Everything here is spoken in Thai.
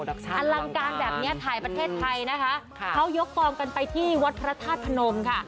อลังการแบบนี้ถ่ายประเทศไทยนะคะเขายกฟองกันไปที่วัดพระธาตุพนมค่ะ